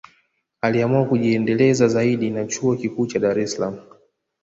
Aliamua kujiendeleza zaidi na chuo Kikuu cha Dar es Salaam